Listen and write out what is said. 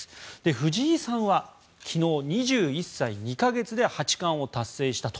藤井さんは昨日２１歳２か月で八冠を達成したと。